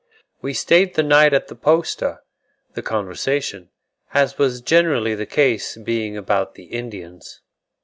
We stayed the night at the posta, the conversation, as was generally the case, being about the Indians.